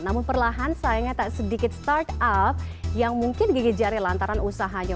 namun perlahan sayangnya tak sedikit startup yang mungkin gigi jari lantaran usahanya